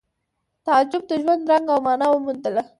تعجب د ژوند رنګ او مانا وموندله